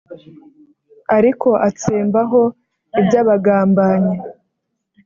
ariko atsembaho iby’abagambanyi